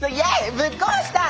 ぶっ壊したい！